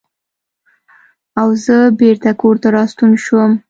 او زۀ بېرته کورته راستون شوم ـ